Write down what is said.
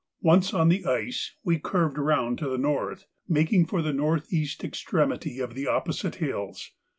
Once on the ice, we curved round to the north, making for the north east extremity of the opposite hills.